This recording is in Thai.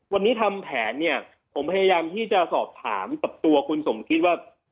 วันนี้ทำแผนเนี่ยผมพยายามที่จะสอบถามกับตัวคุณสมคิดว่า